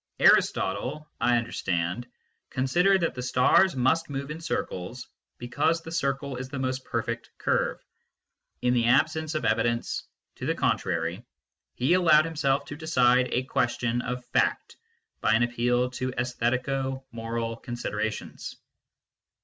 Aristotle, I understand, considered that the stars must move in circles because the circle is the most perfect curve. In the absence of evidence to the con trary, he allowed himself to decide a question of fact by an appeal to aesthetico moral considerations.